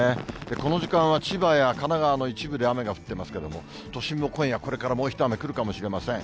この時間は千葉や神奈川の一部で雨が降ってますけども、都心も今夜、これからもう一雨来るかもしれません。